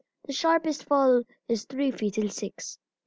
The sharpest fall is three feet in six.